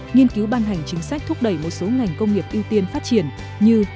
nghiên cứu ban hành chính sách thúc đẩy một số ngành công nghiệp ưu tiên phát triển như